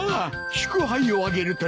祝杯を挙げるとしよう。